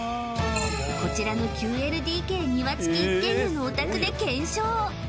こちらの９ＬＤＫ庭付き一軒家のお宅で検証